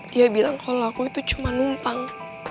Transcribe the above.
dia bilang kalau aku itu cuma numpang